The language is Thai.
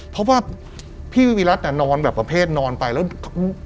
เพราะว่าพี่วิรัติน่ะนอนแบบประเภทนอนไปแล้ว